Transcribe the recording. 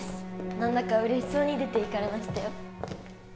何だか嬉しそうに出ていかれましたよ